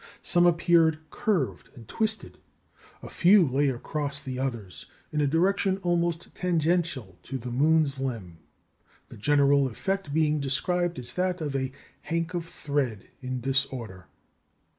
Some appeared curved and twisted, a few lay across the others, in a direction almost tangential to the moon's limb, the general effect being described as that of a "hank of thread in disorder."